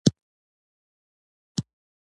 مسلکي کارګران او متخصصین شي.